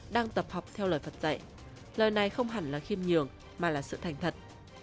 đang tập học theo lời phật dạy lời này không hẳn là khiêm nhường mà là sự thành thật